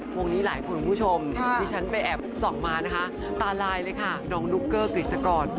วงนี้หลายคนคุณผู้ชมที่ฉันไปแอบส่องมานะคะตาลายเลยค่ะน้องดุ๊กเกอร์กฤษกร